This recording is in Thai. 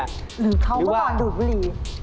หรือเขาเมื่อก่อนดูดบุหรี่